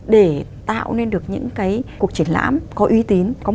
để tạo nên được những cái cuộc triển lãm có uy tín